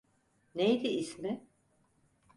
Neydi ismi?